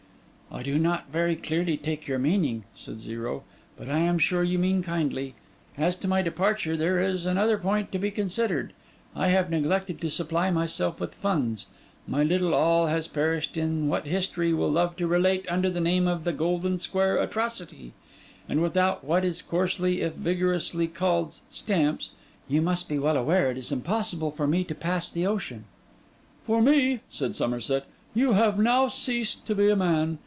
'I do not very clearly take your meaning,' said Zero, 'but I am sure you mean kindly. As to my departure, there is another point to be considered. I have neglected to supply myself with funds; my little all has perished in what history will love to relate under the name of the Golden Square Atrocity; and without what is coarsely if vigorously called stamps, you must be well aware it is impossible for me to pass the ocean.' 'For me,' said Somerset, 'you have now ceased to be a man.